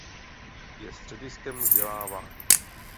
Je střediskem vzdělávání.